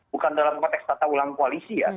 bukan dalam konteks tata ulang koalisi ya